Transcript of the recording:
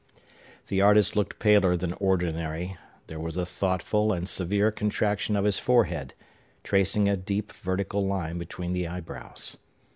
The artist looked paler than ordinary; there was a thoughtful and severe contraction of his forehead, tracing a deep, vertical line between the eyebrows.